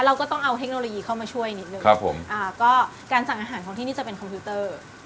เราก็ต้องเอาเทคโนโลยีเข้ามาช่วยนิดนึงครับผมอ่าก็การสั่งอาหารของที่นี่จะเป็นคอมพิวเตอร์